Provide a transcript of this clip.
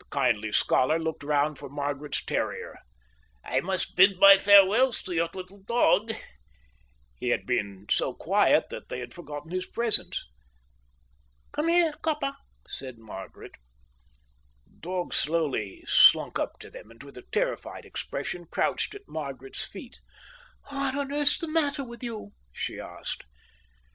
The kindly scholar looked round for Margaret's terrier… "I must bid my farewells to your little dog." He had been so quiet that they had forgotten his presence. "Come here, Copper," said Margaret. The dog slowly slunk up to them, and with a terrified expression crouched at Margaret's feet. "What on earth's the matter with you?" she asked.